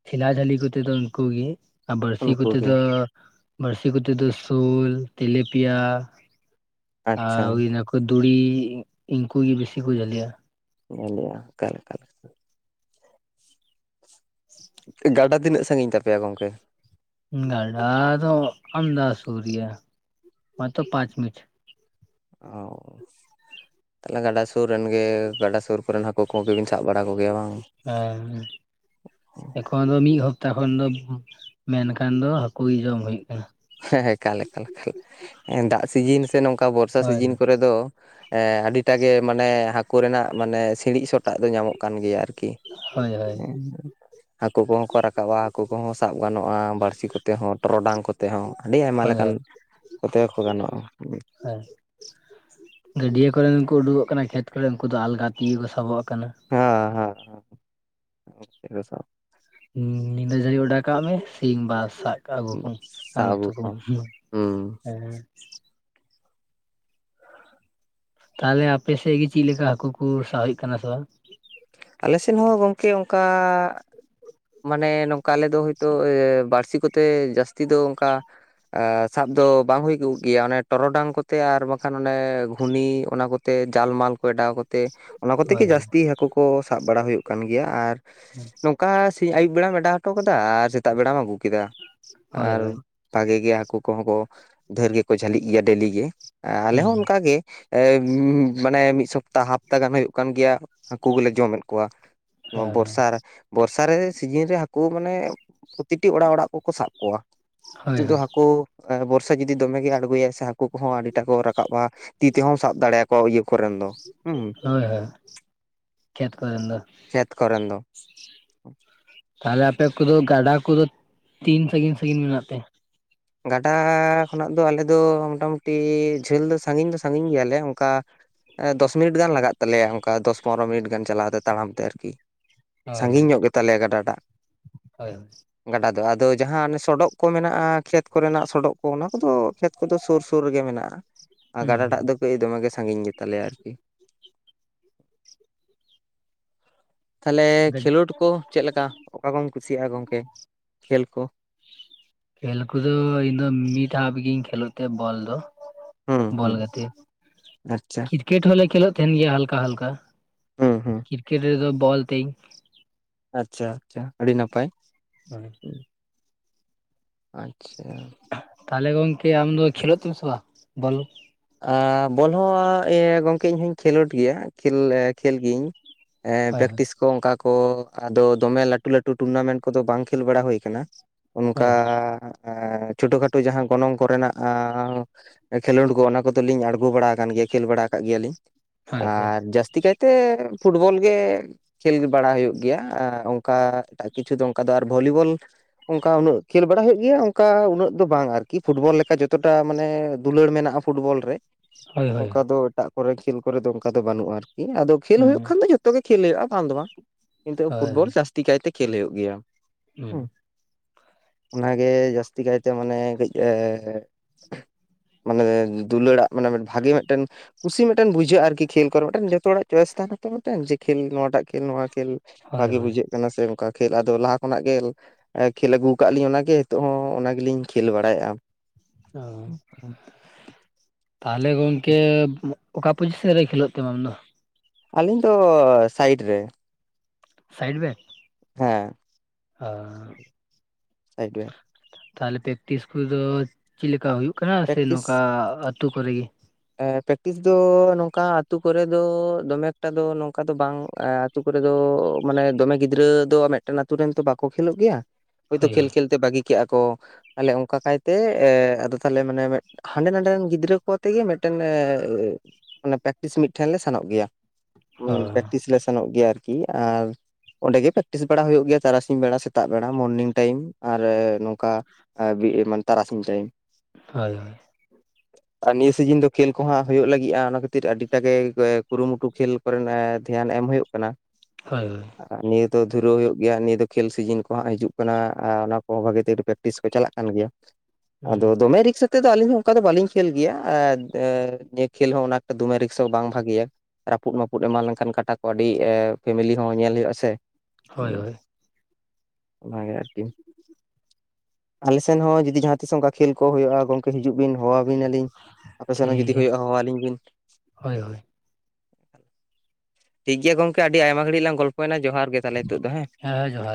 [SPEAKER 1] ᱴᱷᱮᱞᱟ ᱡᱷᱟᱹᱞᱤ ᱠᱚᱛᱮ ᱫᱚ ᱩᱱᱠᱩ ᱜᱤ ᱟᱨ ᱵᱟᱹᱲᱥᱤ
[SPEAKER 2] ᱩᱱᱠᱩ
[SPEAKER 1] ᱠᱚᱛᱮ
[SPEAKER 2] ᱜᱮ
[SPEAKER 1] ᱫᱚ ᱵᱟᱹᱲᱥᱤ ᱠᱚᱛᱮ ᱫᱚ ᱥᱳᱞ ᱛᱮᱞᱮᱯᱤᱭᱟ ᱟᱨ
[SPEAKER 2] ᱟᱪᱪᱷᱟ
[SPEAKER 1] ᱦᱩᱭᱱᱟ ᱠᱚ ᱫᱷᱩᱲᱤ ᱤᱱᱠᱩ ᱜᱮ ᱵᱤᱥᱤ ᱠᱚ ᱡᱷᱟᱹᱞᱤᱭᱟ᱾
[SPEAKER 2] ᱧᱮᱞᱮᱭᱟ ᱚᱠᱟ ᱞᱮᱠᱟ᱾
[SPEAKER 1] [inaudible]
[SPEAKER 2] ᱜᱟᱰᱟ ᱛᱤᱱᱟᱹᱜ ᱥᱟᱺᱜᱤᱧ ᱛᱟᱯᱮᱭᱟ ᱜᱚᱢᱠᱮ?
[SPEAKER 1] ᱜᱟᱰᱟ ᱫᱚ ᱟᱢᱫᱟᱥᱩᱨ ᱜᱮᱭᱟ ᱟᱢᱫᱟ ᱯᱟᱸᱪ ᱢᱤᱱᱤᱴ᱾
[SPEAKER 2] ᱚ ᱛᱟᱦᱞᱮ ᱜᱟᱰᱟ ᱥᱩᱨ ᱨᱮᱱ ᱜᱮ ᱜᱟᱰᱟ ᱥᱩᱨ ᱠᱚᱨᱮᱱ ᱦᱟᱠ ᱠᱩ ᱠᱚᱜᱮᱵᱮᱱ ᱥᱟᱜ ᱵᱟᱲᱟ ᱠᱚᱜᱮᱭᱟ ᱵᱟᱝ?
[SPEAKER 1] ᱦᱚᱭ᱾ ᱮᱠᱷᱚᱱ ᱫᱚ ᱢᱤᱜ ᱦᱚᱯᱛᱟ ᱠᱷᱚᱱ ᱫᱚ ᱢᱮᱱ ᱞᱮᱠᱷᱟᱱ ᱫᱚ ᱦᱟᱹᱠᱩ ᱜᱮ ᱡᱚᱢ ᱦᱩᱭᱩᱜ ᱠᱟᱱᱟ᱾
[SPEAKER 2] ᱦᱮᱸ ᱮᱠᱟᱞ ᱮᱠᱟᱞ ᱮᱸ ᱫᱟᱜ ᱥᱤᱡᱤᱱ ᱥᱮ ᱱᱚᱝᱠᱟ ᱵᱚᱨᱥᱟ
[SPEAKER 1] ᱦᱳᱭ
[SPEAKER 2] ᱥᱤᱡᱤᱱ ᱠᱚᱨᱮ ᱫᱚ ᱮᱸ ᱟᱹᱰᱤᱴᱟᱜ ᱜᱮ ᱢᱟᱱᱮ ᱦᱟᱹᱠᱩ ᱨᱮᱱᱟᱜ ᱢᱟᱱᱮ ᱥᱤᱬᱤᱡ ᱥᱚ ᱴᱟᱜ ᱫᱚ ᱧᱟᱢᱚᱜ ᱠᱟᱱ ᱜᱮᱭᱟ ᱟᱨᱠᱤ
[SPEAKER 1] ᱦᱳᱭ ᱦᱳᱭ
[SPEAKER 2] [unintelligible] ᱦᱟᱹᱠᱩ ᱠᱚᱦᱚᱸ ᱠᱚ ᱨᱟᱠᱟᱵᱼᱟ ᱦᱟᱹᱠᱩ ᱠᱚᱦᱚᱸ ᱥᱟᱵ ᱜᱟᱱᱚᱜᱼᱟ ᱵᱟᱹᱲᱥᱤ ᱠᱚᱛᱮ ᱦᱚᱸ ᱴᱚᱨᱚᱰᱟᱝ ᱠᱚᱛᱮ ᱦᱚᱸ, ᱟᱹᱰᱤ ᱟᱭᱢᱟ
[SPEAKER 1] ᱦᱳᱭ
[SPEAKER 2] ᱞᱮᱠᱟᱱ
[SPEAKER 1] ᱦᱳᱭ
[SPEAKER 2] ᱠᱚᱛᱮ ᱠᱚᱸ ᱜᱟᱱᱚᱜᱼᱟ᱾
[SPEAKER 1] ᱦᱮᱸ ᱜᱟᱹᱰᱭᱟᱹ ᱠᱚᱨᱮᱱ ᱠᱚ ᱩᱰᱩᱠᱚᱜ ᱠᱟᱱᱟ ᱠᱷᱮᱛ ᱠᱚᱨᱮ ᱩᱱᱠᱩ ᱫᱚ ᱟᱞᱜᱟ ᱛᱮᱜᱮ ᱠᱚ ᱥᱟᱵᱚᱜ ᱠᱟᱱᱟ᱾
[SPEAKER 2] ᱦᱮᱸ ᱦᱮᱸ [unintelligible]
[SPEAKER 1] ᱧᱤᱫᱟᱹ ᱡᱷᱟᱹᱞᱤ ᱚᱰᱟ ᱠᱟᱜ ᱢᱮ ᱥᱤᱧ ᱵᱟ ᱥᱟᱵ᱾ ᱟᱹᱜᱩ ᱠᱚᱢ ᱟᱨ
[SPEAKER 2] ᱥᱟᱵ ᱟᱹᱜᱩ
[SPEAKER 1] ᱩᱛᱩ ᱠᱚᱢ
[SPEAKER 2] ᱠᱚᱣᱟᱢ
[SPEAKER 1] ᱦᱩᱸ
[SPEAKER 2] ᱦᱩᱸ
[SPEAKER 1] ᱦᱮᱸ, ᱛᱟᱦᱚᱞᱮ ᱟᱯᱮᱥᱮᱫ ᱜᱮ ᱪᱮᱫ ᱞᱮᱠᱟ ᱦᱟᱹᱠᱩ ᱠᱩ ᱥᱟᱵ ᱦᱩᱭᱩᱜ ᱠᱟᱱᱟ ᱥᱮ ᱵᱟᱝ?
[SPEAKER 2] ᱟᱞᱮᱥᱮᱫ ᱦᱚᱸ ᱜᱚᱝᱠᱮ ᱚᱱᱠᱟᱻ, ᱢᱟᱱᱮ ᱱᱚᱝᱠᱟ ᱟᱞᱮ ᱫᱚ ᱦᱳᱭᱛᱳ ᱵᱟᱹᱲᱥᱤ ᱠᱚᱛᱮ ᱡᱟᱹᱥᱛᱤ ᱫᱚ ᱚᱱᱠᱟ, ᱮᱸ ᱥᱟᱵ ᱫᱚ ᱵᱟᱝ ᱦᱩᱭ ᱠᱚ ᱜᱮᱭᱟ ᱚᱱᱮ ᱴᱚᱨᱚᱰᱟᱝ ᱠᱚᱛᱮ ᱟᱨ ᱵᱟᱝᱠᱷᱟᱱ ᱚᱱᱮ ᱜᱷᱩᱱᱤ ᱚᱱᱟ ᱠᱚ ᱛᱮ ᱡᱟᱞᱢᱟᱞ ᱠᱚ ᱮᱰᱟᱣ ᱠᱚ ᱛᱮ ᱚᱱᱟ ᱠᱚᱛᱮ
[SPEAKER 1] ᱦᱳᱭ
[SPEAKER 2] ᱜᱮ ᱡᱟᱹᱥᱛᱤ ᱦᱟᱹᱠᱩ ᱠᱩ ᱥᱟᱵ ᱵᱟᱲᱟ ᱦᱩᱭᱩᱜ ᱠᱟᱱ ᱜᱮᱭᱟ ᱟᱨ ᱱᱚᱝ ᱚᱠᱟ ᱥᱤᱧ ᱟᱹᱭᱩᱵ ᱵᱮᱲᱟᱢ ᱮᱰᱟᱣ ᱦᱚᱴᱚ ᱠᱟᱫᱟᱜ ᱟᱨ ᱥᱮᱛᱟᱜ ᱵᱮᱲᱟᱢ ᱟᱹᱜᱩ ᱠᱮᱫᱟ
[SPEAKER 1] ᱦᱳᱭ
[SPEAKER 2] ᱟᱨ,
[SPEAKER 1] ᱦᱳᱭ
[SPEAKER 2] ᱵᱷᱟᱜᱮ ᱜᱮ ᱦᱟᱹᱠᱩ ᱠᱚᱦᱚᱸ ᱠᱚ ᱰᱷᱮᱨ ᱜᱮᱠᱚ ᱡᱷᱟᱹᱞᱤᱜ ᱜᱮᱭᱟ ᱰᱮᱞᱤ ᱜᱮ ᱟᱞᱮ
[SPEAKER 1] ᱦᱩᱸ
[SPEAKER 2] ᱦᱚᱸ ᱚᱱᱠᱟᱜ ᱜᱮ, ᱢᱟᱱᱮ ᱢᱤᱫ ᱥᱚᱯᱛᱟ ᱦᱟᱯᱛᱟ ᱜᱟᱱ ᱦᱩᱭᱩᱜ ᱠᱟᱱ ᱜᱮᱭᱟ ᱦᱟᱹᱠᱩ ᱜᱮᱞᱮ ᱡᱚᱢᱮᱫ ᱠᱚᱣᱟ᱾ ᱱᱚᱣᱟ
[SPEAKER 1] ᱦᱳᱭ
[SPEAKER 2] ᱵᱚᱨᱥᱟ ᱨᱮ, ᱵᱚᱨᱥᱟ ᱨᱮ ᱥᱤᱡᱤᱱ ᱨᱮ ᱦᱟᱹᱠᱩ ᱢᱟᱱᱮ ᱯᱨᱚᱛᱤᱴᱤ ᱚᱲᱟᱜ ᱚᱲᱟᱜ ᱠᱚᱠᱚ ᱥᱟᱵ ᱠᱚᱣᱟ᱾
[SPEAKER 1] ᱦᱳᱭ
[SPEAKER 2] ᱱᱤᱛᱳ ᱫᱚ ᱦᱟᱹᱠᱩ ᱵᱚᱨᱥᱟ ᱡᱩᱫᱤ ᱫᱚᱢᱮ ᱜᱮ ᱟᱬᱜᱚᱭᱟᱭ ᱥᱮ ᱦᱟᱹᱠᱩ ᱠᱚᱦᱚᱸ ᱟᱹᱰᱤᱴᱟ ᱠᱚ ᱨᱟᱠᱟᱵᱼᱟ᱾ ᱛᱤ ᱛᱮᱦᱚᱢ ᱥᱟᱵ ᱫᱟᱲᱮᱭ ᱟᱠᱚᱣᱟ ᱤᱭᱟᱹ ᱠᱚᱨᱮᱱ ᱫᱚ ᱦᱩᱸ,
[SPEAKER 1] ᱦᱮᱸ ᱠᱷᱮᱛ ᱠᱚᱨᱮᱱ ᱫᱚ᱾
[SPEAKER 2] ᱠᱷᱮᱛ ᱠᱚᱨᱮᱱ ᱫᱚ᱾
[SPEAKER 1] ᱛᱟᱦᱚᱞᱮ ᱟᱯᱮ ᱠᱚᱫᱚ ᱜᱟᱰᱟ ᱠᱚᱫᱚ ᱛᱤᱱ ᱥᱟᱺᱜᱤᱧ ᱥᱟᱺᱜᱤᱧ ᱢᱮᱱᱟᱜ ᱛᱮ?
[SPEAKER 2] ᱜᱟᱰᱟ ᱠᱷᱚᱱᱟᱜ ᱫᱚ ᱟᱞᱮ ᱫᱚ ᱢᱳᱴᱟᱢᱩᱴᱤ ᱡᱷᱟᱹᱞ ᱫᱚ ᱥᱟᱺᱜᱤᱧ ᱫᱚ ᱥᱟᱺᱜᱤᱧ ᱜᱮᱭᱟᱞᱮ ᱚᱱᱠᱟ ᱫᱚᱥ ᱢᱤᱱᱤᱴ ᱜᱟᱱ ᱞᱟᱜᱟᱜ ᱛᱟᱞᱮᱭᱟ ᱚᱱᱠᱟ ᱫᱚᱥ ᱯᱚᱱᱨᱚ ᱢᱤᱱᱤᱴ ᱜᱟᱱ ᱪᱟᱞᱟᱣ ᱛᱮ ᱛᱟᱲᱟᱢ ᱛᱮ ᱟᱨᱠᱤ,
[SPEAKER 1] ᱦᱳᱭ
[SPEAKER 2] ᱥᱟᱺᱜᱤᱧ
[SPEAKER 1] ᱦᱳᱭ
[SPEAKER 2] ᱧᱚᱜ ᱜᱮᱛᱟᱞᱮᱭᱟ ᱜᱟᱰᱟᱴᱟᱜ᱾
[SPEAKER 1] ᱦᱳᱭ
[SPEAKER 2] ᱜᱟᱰᱟ ᱫᱚ ᱟᱫᱚ ᱡᱟᱦᱟᱸ ᱚᱱᱟ ᱥᱚᱰᱚᱜ ᱠᱚ ᱢᱮᱱᱟᱜᱼᱟ ᱠᱷᱮᱛ, ᱠᱚᱨᱮᱱᱟᱜ ᱥᱚᱰᱚᱜ ᱠᱚ ᱚᱱᱟ ᱠᱚᱫᱚ ᱠᱷᱮᱛ ᱠᱚᱫᱚ ᱥᱳᱨ ᱥᱳᱨ ᱨᱮᱜᱮ ᱢᱮᱱᱟᱜᱼᱟ ᱜᱟᱰᱟ ᱴᱟᱜ ᱫᱚ,
[SPEAKER 1] ᱦᱩᱸ
[SPEAKER 2] ᱠᱟᱹᱡ ᱫᱚᱢᱮ ᱜᱮ ᱥᱟᱺᱜᱤᱧ ᱜᱮ ᱛᱟᱞᱮᱭᱟ ᱟᱨᱠᱤ᱾ ᱛᱟᱦᱚᱞᱮ ᱠᱷᱮᱞᱳᱰ ᱠᱚ ᱪᱮᱫ ᱞᱮᱠᱟ ᱚᱠᱟ ᱠᱚᱢ ᱠᱩᱥᱤᱭᱟᱜᱼᱟ ᱜᱚᱢᱠᱮ ᱠᱷᱮᱞ ᱠᱚ?
[SPEAKER 1] ᱠᱷᱮᱞ ᱠᱚᱫᱚ ᱤᱧ ᱫᱚ ᱢᱤᱠ ᱠᱟᱯ ᱜᱤᱧ ᱠᱷᱮᱞᱳᱜ ᱛᱮ ᱵᱚᱞ ᱫᱚ
[SPEAKER 2] ᱦᱩᱸ
[SPEAKER 1] ᱵᱚᱞ
[SPEAKER 2] ᱦᱩᱸ
[SPEAKER 1] ᱜᱟᱛᱮ
[SPEAKER 2] ᱟᱪᱪᱷᱟ
[SPEAKER 1] ᱠᱨᱤᱠᱮᱴ ᱦᱚᱞᱮ ᱠᱷᱮᱞᱳᱜ ᱛᱟᱦᱮᱱ ᱜᱮᱭᱟ ᱦᱟᱞᱠᱟ ᱦᱟᱞᱠᱟ᱾
[SPEAKER 2] ᱦᱩᱸ ᱦᱩᱸ
[SPEAKER 1] ᱠᱨᱤᱠᱮᱴ ᱨᱮᱫᱚ ᱵᱚᱞ ᱛᱤᱧ,
[SPEAKER 2] ᱟᱪᱪᱷᱟ ᱟᱪᱷᱟ ᱟᱹᱰᱤ ᱱᱟᱯᱟᱭ᱾
[SPEAKER 1] [unintelligible]
[SPEAKER 2] ᱟᱪᱪᱷᱟ
[SPEAKER 1] ᱛᱟᱦᱚᱞᱮ ᱜᱚᱝᱠᱮ ᱟᱢ ᱫᱚ ᱠᱷᱮᱞᱳᱜ ᱛᱮᱢ ᱥᱮ ᱵᱟ ᱵᱚᱞ?
[SPEAKER 2] ᱟᱻ ᱵᱚᱞ ᱦᱚᱸ ᱤᱭᱟᱹ ᱜᱚᱢᱠᱮ ᱤᱧ ᱦᱚᱧ ᱠᱷᱮᱞᱳᱰ ᱜᱮᱭᱟ ᱠᱷᱮᱞ ᱜᱤᱭᱤᱧ᱾ ᱮᱸ
[SPEAKER 1] ᱦᱳᱭ
[SPEAKER 2] ᱯᱮᱠᱴᱤᱥ, ᱠᱚ ᱚᱱᱠᱟ ᱠᱚ ᱟᱫᱚ ᱫᱚᱢᱮ ᱞᱟᱹᱴᱩ ᱞᱟᱹᱴᱩ ᱴᱩᱨᱱᱟᱢᱮᱱᱴ ᱠᱚᱫᱚ ᱵᱟᱝ ᱠᱷᱮᱞ ᱵᱟᱲᱟ ᱦᱳᱭ ᱠᱟᱱᱟ᱾ ᱚᱱᱠᱟᱻ
[SPEAKER 1] ᱦᱳᱭ ᱦᱳᱭ ᱦᱳᱭ
[SPEAKER 2] ᱪᱷᱳᱴᱳ ᱠᱷᱟᱴᱳ ᱡᱟᱦᱟᱸ ᱜᱚᱱᱚᱝ ᱠᱚᱨᱮᱱᱟᱜ ᱟᱻ ᱠᱷᱮᱞᱳᱰ ᱠᱚ ᱚᱱᱟ ᱠᱚᱫᱚ ᱞᱤᱧ ᱟᱬᱜᱚ ᱵᱟᱲᱟ ᱟᱠᱟᱱ ᱜᱮᱭᱟ ᱠᱷᱮᱞ ᱵᱟᱲᱟ ᱟᱠᱟᱫ ᱜᱮᱭᱟ ᱞᱤᱧ
[SPEAKER 1] ᱦᱳᱭ
[SPEAKER 2] ᱟᱨ ᱡᱟᱥ ᱛᱤᱠᱟᱹᱭᱛᱮ ᱯᱷᱩᱴᱵᱚᱞ ᱜᱮ ᱠᱷᱮᱞ ᱜᱮ ᱵᱟᱲᱟ ᱦᱩᱭᱩᱜ ᱜᱮᱭᱟ ᱟ ᱚᱱᱠᱟ ᱴᱟᱜ ᱠᱤᱪᱷᱩ ᱫᱚ ᱚᱱᱠᱟ ᱫᱚ ᱟᱨ ᱵᱚᱞᱤᱵᱚᱞ ᱚᱱᱠᱟ ᱩᱱᱟᱹᱜ ᱠᱷᱮᱞ ᱵᱟᱲᱟ ᱦᱩᱭᱩᱜ ᱜᱮᱭᱟ ᱚᱱᱠᱟ ᱩᱱᱟᱹᱜ ᱫᱚ ᱵᱟᱝ ᱟᱨᱠᱤ ᱯᱷᱩᱴᱵᱚᱞ ᱞᱮᱠᱟ ᱡᱚᱛᱚᱴᱟ ᱢᱟᱱᱮ ᱫᱩᱞᱟᱹᱲ ᱢᱮᱱᱟᱜᱼᱟ᱾ ᱯᱷᱩᱴᱵᱚᱞ ᱨᱮ
[SPEAKER 1] ᱦᱳᱭ ᱦᱳᱭ ᱦᱳᱭ
[SPEAKER 2] ᱚᱱᱠᱟ ᱫᱚ ᱮᱴᱟᱜ ᱠᱚᱨᱮ ᱠᱷᱮᱞ ᱠᱚᱨᱮ ᱫᱚ ᱚᱱᱠᱟ ᱫᱚ ᱵᱟᱹᱱᱩᱜᱼᱟ᱾ ᱟᱨᱠᱤ ᱟᱫᱚ ᱠᱷᱮᱞ ᱦᱩᱭᱩᱜ ᱠᱷᱟᱱ ᱫᱚ ᱡᱚ ᱛᱚᱜᱮ ᱠᱷᱮᱞ ᱦᱩᱭᱩᱜᱼᱟ ᱵᱟᱝ ᱫᱚ ᱵᱟᱝ ᱠᱤᱱᱛᱩ
[SPEAKER 1] ᱦᱳᱭ ᱦᱳᱭ
[SPEAKER 2] ᱯᱷᱩᱴᱵᱚᱞ ᱡᱟᱹᱥᱛᱤ ᱠᱟᱭᱛᱮ ᱠᱷᱮᱞ ᱦᱩᱭᱩᱜ ᱜᱮᱭᱟ
[SPEAKER 1] ᱦᱩᱸ
[SPEAKER 2] ᱦᱮᱸ ᱚᱱᱟᱜᱮ ᱡᱟᱹᱥᱛᱤ ᱠᱟᱭᱛᱮ ᱢᱟᱱᱮ ᱠᱟᱹᱡ ᱮᱻ ᱢᱟᱱᱮ ᱫᱩᱞᱟᱹᱲᱟᱜ ᱢᱟᱱᱮ ᱵᱷᱟᱜᱮ ᱢᱤᱫᱴᱮᱱ ᱠᱩᱥᱤ ᱢᱤᱫᱴᱮᱱ ᱵᱩᱡᱷᱟᱹᱜᱼᱟ ᱟᱨᱠᱤ ᱠᱷᱮᱞ ᱠᱚᱨᱮ ᱡᱚᱛᱚ ᱦᱚᱲᱟᱜ ᱪᱚᱭᱮᱥ ᱛᱟᱦᱮᱱᱟ ᱛᱚ ᱢᱮᱫᱴᱮᱱ ᱠᱷᱮᱞ ᱱᱚᱣᱟᱴᱟᱜ ᱠᱷᱮᱞ ᱱᱚᱣᱟ ᱠᱷᱮᱞ
[SPEAKER 1] ᱦᱳᱭ
[SPEAKER 2] ᱵᱷᱟᱜᱮ
[SPEAKER 1] ᱦᱳᱭ
[SPEAKER 2] ᱵᱩᱡᱷᱟᱹᱜ ᱠᱟᱱᱟ ᱥᱮ ᱚᱱᱠᱟ ᱠᱷᱮᱞ ᱟᱫᱚ ᱞᱟᱦᱟ ᱠᱷᱚᱱᱟᱜ ᱜᱮ ᱮᱸ ᱠᱷᱮᱞ ᱟᱹᱜᱩ ᱠᱟᱜᱼᱟ ᱞᱤᱧ ᱚᱱᱟᱜᱮ ᱱᱤᱛᱚᱜ ᱦᱚᱸ ᱚᱱᱟ ᱜᱮᱞᱤᱧ ᱠᱷᱮᱞ ᱵᱟᱲᱟᱭᱮᱜᱼᱟ᱾
[SPEAKER 1] [unintelligible] ᱛᱟᱦᱚᱞᱮ ᱜᱚᱝᱠᱮ ᱚᱠᱟ ᱯᱚᱡᱤᱥᱮᱱ ᱨᱮ ᱠᱷᱮᱞᱳᱜ ᱛᱮᱢ ᱟᱢᱫᱚ
[SPEAKER 2] ᱟᱞᱤᱧ ᱫᱚ ᱥᱟᱭᱤᱰ ᱨᱮ
[SPEAKER 1] ᱥᱟᱭᱤᱰ ᱨᱮ
[SPEAKER 2] ᱦᱮᱸ
[SPEAKER 1] ᱟ
[SPEAKER 2] ᱥᱟᱭᱤᱰ ᱨᱮ
[SPEAKER 1] ᱛᱟᱦᱚᱞᱮ ᱯᱮᱠᱴᱤᱥ ᱠᱚᱱᱫᱚ ᱪᱤᱫ ᱞᱮᱠᱟ ᱦᱩᱭᱩᱜ ᱠᱟᱱᱟ ᱥᱮ ᱱᱚᱝᱠᱟ ᱟᱹᱛᱩ ᱠᱚᱨᱮ ᱜᱤ
[SPEAKER 2] ᱮ ᱯᱮᱠᱴᱤᱥ ᱫᱚ ᱱᱚᱝᱠᱟ ᱟᱹᱛᱩ ᱠᱚᱨᱮ ᱫᱚ ᱫᱚᱢᱮ ᱮᱠᱴᱟ ᱫᱚ ᱱᱚᱝᱠᱟ ᱫᱚ ᱵᱟᱝ ᱟᱹᱛᱩ ᱠᱚᱨᱮ ᱫᱚ ᱢᱟᱱᱮ ᱫᱚᱢᱮ ᱜᱤᱫᱽᱨᱟᱹ ᱫᱚ ᱢᱤᱫᱴᱮᱱ ᱟᱹᱛᱩ ᱨᱮᱱ ᱛᱚ ᱵᱟᱠᱚ ᱠᱷᱮᱞᱳᱜ ᱜᱮᱭᱟ ᱦᱳᱭᱛᱚ
[SPEAKER 1] ᱦᱳᱭ
[SPEAKER 2] ᱠᱷᱮᱞ
[SPEAKER 1] ᱦᱳᱭ
[SPEAKER 2] ᱠᱷᱮᱞᱛᱮ ᱵᱟᱹᱜᱤ ᱠᱮᱜᱼᱟ ᱠᱚ ᱛᱟᱞᱦᱮ ᱚᱱᱠᱟ ᱠᱟᱭᱛᱮ ᱮ ᱟᱫᱚ ᱛᱟᱦᱚᱞᱮ ᱢᱟᱱᱮ ᱢᱤᱫ ᱦᱟᱸᱰᱮ ᱱᱟᱸᱰᱮ ᱨᱮᱱ ᱜᱤᱫᱽᱨᱟᱹ ᱠᱚ ᱟᱛᱮᱜᱮ ᱢᱤᱫᱴᱮᱱᱮ ᱢᱟᱱᱮ ᱯᱮᱠᱴᱤᱥ ᱢᱤᱫᱴᱷᱮᱱ ᱞᱮ ᱥᱮᱱᱚᱜ ᱜᱮᱭᱟ
[SPEAKER 1] ᱚ
[SPEAKER 2] ᱯᱨᱮᱠᱴᱤᱥ ᱞᱮ ᱥᱮᱱᱚᱜ ᱜᱮᱭᱟ ᱟᱨᱠᱤ ᱟᱨ ᱚᱸᱰᱮᱜᱮ ᱯᱮᱠᱴᱤᱥ ᱵᱟᱲᱟ ᱦᱩᱭᱩᱜ ᱜᱮᱭᱟ ᱛᱟᱨᱟᱥᱤᱧ ᱵᱮᱲᱟ ᱥᱮᱛᱟᱜ ᱵᱮᱲᱟ ᱢᱚᱨᱱᱤᱝ ᱴᱟᱹᱭᱤᱢ ᱟᱨ ᱱᱚᱝᱠᱟ ᱟᱹᱵᱤ ᱮᱢᱟᱱ ᱛᱟᱨᱟᱥᱤᱧ ᱴᱟᱹᱭᱤᱢ
[SPEAKER 1] ᱦᱳᱭ ᱦᱳᱭ᱾
[SPEAKER 2] ᱟᱨ ᱱᱤᱭᱟᱹ ᱥᱤᱡᱤᱱ ᱫᱚ ᱠᱷᱮᱞ ᱠᱚᱦᱟᱸᱜ ᱦᱩᱭᱩᱜ ᱞᱟᱹᱜᱤᱜᱼᱟ ᱚᱱᱟ ᱠᱷᱟᱹᱛᱤᱨ ᱟᱹᱰᱤᱴᱟ ᱜᱮ ᱠᱚᱭᱮ ᱠᱩᱨᱩᱢᱩᱴᱩ ᱠᱷᱮᱞ ᱠᱚᱨᱮ ᱱᱚᱜᱼᱚᱭ ᱫᱷᱮᱭᱟᱱ ᱮᱢ ᱦᱩᱭᱩᱜ ᱠᱟᱱᱟ᱾
[SPEAKER 1] ᱦᱳᱭ ᱦᱳᱭ
[SPEAKER 2] ᱟᱨ ᱱᱤᱭᱟᱹ ᱫᱚ ᱫᱷᱩᱨᱟᱹᱣ ᱦᱩᱭᱩᱜ ᱜᱮᱭᱟ ᱱᱤᱭᱟᱹ ᱫᱚ ᱠᱷᱮᱞ ᱥᱤᱡᱤᱱ ᱠᱚ ᱦᱟᱸᱜ ᱦᱤᱡᱩᱜ ᱠᱟᱱᱟ ᱟᱨ ᱚᱱᱟ ᱠᱚᱦᱚᱸ ᱵᱷᱟᱹᱜᱤ ᱴᱷᱤᱠ ᱯᱨᱮᱠᱴᱤᱥ ᱠᱚ ᱪᱟᱞᱟᱜ ᱠᱟᱱ ᱜᱮᱭᱟ᱾
[SPEAKER 1] ᱦᱳᱭ
[SPEAKER 2] ᱟᱫᱚ ᱫᱚᱢᱮ ᱨᱤᱠᱥ ᱟᱛᱮᱫ ᱫᱚ ᱟᱹᱞᱤᱧ ᱦᱚᱸ ᱚᱱᱠᱟ ᱫᱚ ᱵᱟᱹᱞᱤᱧ ᱠᱷᱮᱞ ᱜᱮᱭᱟ ᱮ ᱱᱤᱭᱟᱹ ᱠᱷᱮᱞ ᱦᱚᱸ ᱚᱱᱟ ᱮᱠᱴᱟ ᱫᱚᱢᱮ ᱨᱤᱠᱥ ᱦᱚᱸ ᱵᱟᱝ ᱵᱷᱟᱜᱮᱭᱟ᱾ ᱨᱟᱹᱯᱩᱫ ᱢᱟᱹᱯᱩᱫ ᱮᱢᱟᱱ ᱞᱮᱱᱠᱷᱟᱱ ᱠᱟᱴᱟ ᱠᱚ ᱟᱹᱰᱤ ᱮ ᱯᱷᱮᱢᱮᱞᱤ ᱦᱚᱸ ᱧᱮᱞ ᱦᱩᱭᱩᱜᱼᱟ ᱥᱮ
[SPEAKER 1] ᱦᱳᱭ ᱦᱳᱭ
[SPEAKER 2] ᱚᱱᱟᱜᱮ ᱟᱨᱠᱤ ᱟᱞᱮᱥᱮᱱ ᱦᱚᱸ ᱡᱩᱫᱤ ᱡᱟᱦᱟᱸ ᱛᱤᱥ ᱚᱱᱠᱟ ᱠᱷᱮᱞ ᱠᱚ ᱦᱩᱭᱩᱜᱼᱟ᱾ ᱜᱚᱝᱠᱮ ᱦᱤᱡᱩᱜ ᱵᱤᱱ ᱦᱚᱦᱚᱣᱟᱵᱤᱱᱟ ᱞᱤᱧ ᱟᱯᱮ ᱥᱮᱱ ᱦᱚᱸ
[SPEAKER 1] ᱴᱷᱤᱠ
[SPEAKER 2] ᱡᱩᱫᱤ
[SPEAKER 1] ᱜᱮᱭᱟ
[SPEAKER 2] ᱦᱩᱭᱩᱜᱼᱟ᱾ ᱦᱚᱦᱚᱣᱟᱞᱤᱧ ᱵᱤᱱ
[SPEAKER 1] ᱦᱳᱭ ᱦᱳᱭ
[SPEAKER 2] ᱴᱷᱤᱠ ᱜᱮᱭᱟ ᱜᱚᱝᱠᱮ ᱟᱹᱰᱤ ᱟᱭᱢᱟ ᱜᱷᱟᱹᱲᱤᱡ ᱞᱟᱝ ᱜᱚᱞᱯᱚᱭᱱᱟ ᱡᱚᱦᱟᱨ ᱜᱮ ᱛᱟᱦᱚᱞᱮ ᱱᱤᱛᱚᱜ ᱫᱚ ᱦᱮᱸ
[SPEAKER 1] ᱦᱮᱸ ᱡᱚᱦᱟᱨ᱾